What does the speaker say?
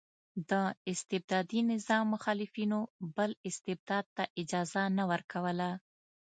د استبدادي نظام مخالفینو بل استبداد ته اجازه نه ورکوله.